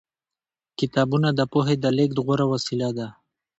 کتابونه د پوهې د لېږد غوره وسیله ده.